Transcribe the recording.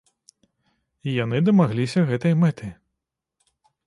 І яны дамагліся гэтай мэты.